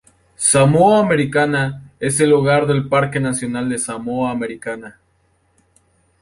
Samoa Americana es el hogar del Parque nacional de Samoa Americana.